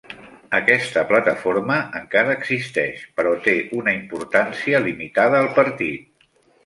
Aquesta plataforma encara existeix, però té una importància limitada al partit.